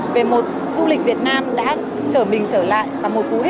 về một du lịch việt nam đã trở mình trở lại và một cú hích thật sôi động trong mùa hè này